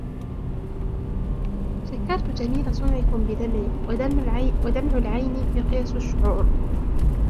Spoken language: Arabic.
شكرت جميل صنعكم بدمعي ، ودمع العين مقياس الشعور.